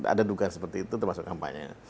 ada dugaan seperti itu termasuk kampanye